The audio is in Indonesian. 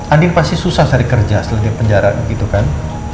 andin pasti susah cari kerja setelah di penjara gitu kan